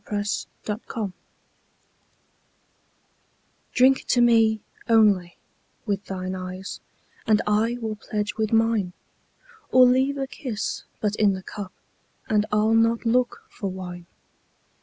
Y Z To Celia DRINK to me, only, with thine eyes, And I will pledge with mine; Or leave a kiss but in the cup, And I'll not look for wine.